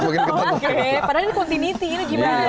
oke padahal ini continuity ini gimana